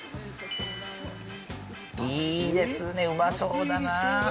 いいですね、うまそうだな。